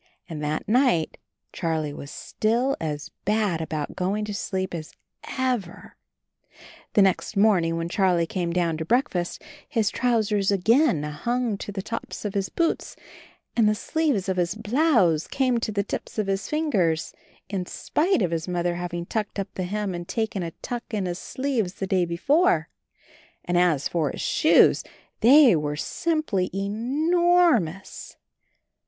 And that night Charlie was still as bad about going to sleep as ever ! The next morning when Charlie came down to breakfast his trousers again hung to the tops of his boots, and the sleeves of his blouse came to the tips of his fingers, in spite of his Mother having turned up the hem and taken a tuck in his sleeves the day before — and as for his shoes they were simply ENORMOUS!